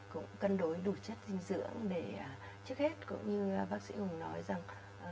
cũng cân đối đủ chất dinh dưỡng để trước hết cũng như bác sĩ hùng nói rằng